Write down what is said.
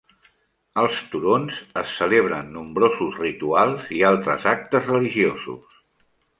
Als turons es celebren nombrosos rituals i altres actes religiosos.